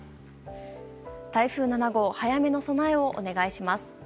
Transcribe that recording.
台風７号早めの備えをお願いします。